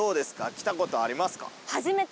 来たことありますか？